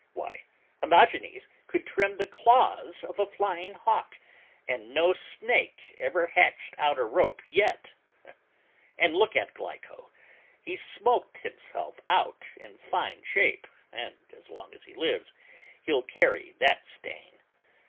Why, Hermogenes could trim the claws of a flying hawk, and no snake ever hatched out a rope yet! And look at Glyco! He's smoked himself out in fine shape, and as long as he lives, he'll carry that stain!